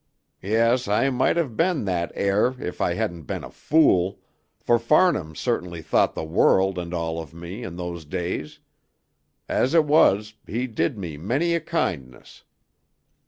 Yes, I might have been that heir if I hadn't been a fool, for Farnham certainly thought the world and all of me in those days. As it was, he did me many a kindness."